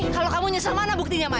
kalau kamu nyesel mana buktinya pak